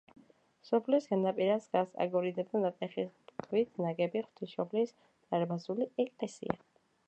სოფლის განაპირას დგას აგურითა და ნატეხი ქვით ნაგები ღვთისმშობლის დარბაზული ეკლესია.